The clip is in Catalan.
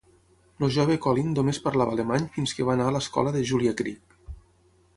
El jove Colin només parlava alemany fins que va anar a l'escola de Julia Creek.